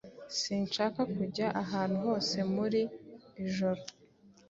Sinshaka kujya ahantu hose muri iri joro.